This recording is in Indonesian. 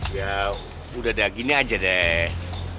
ya udah gini aja deh